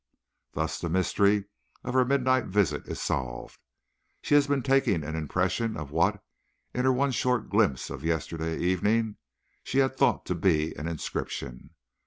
Thus the mystery of her midnight visit is solved. She has been taking an impression of what, in her one short glimpse of yesterday evening, she had thought to be an inscription.